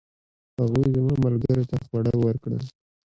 هغوی زما ملګرو ته خواړه ورکړل.